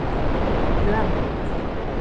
Йӱам...